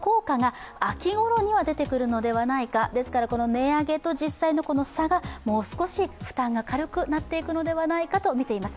値上げと実際の差が、もう少し負担が軽くなっていくのではないかとみています。